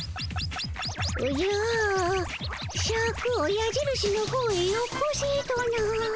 おじゃシャクをやじるしのほうへよこせとな？